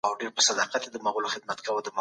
سرمایه داري نظام د غریبو دښمن دی.